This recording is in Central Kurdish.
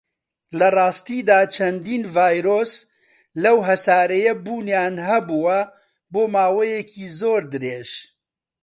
لەڕاستیدا، چەندین ڤایرۆس لەو هەسارەیە بوونیان هەبووە بۆ ماوەیەکی زۆر درێژ.